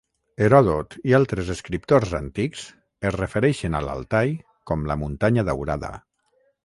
Heròdot i altres escriptors antics es refereixen a l'Altay com "la muntanya daurada".